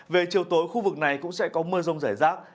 về chiều tối khu vực này cũng sẽ có mưa rông rải rác